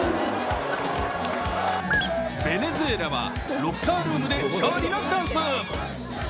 ベネズエラはロッカールームで勝利のダンス。